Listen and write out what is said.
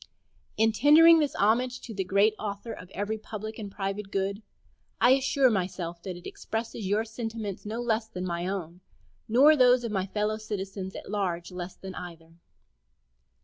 In tendering this homage to the Great Author of every public and private good, I assure myself that it expresses your sentiments not less than my own, nor those of my fellow citizens at large less than either.